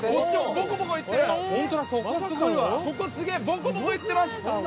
ボコボコいってます！